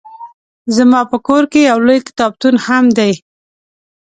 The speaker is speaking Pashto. زما په کور کې يو لوی کتابتون هم دی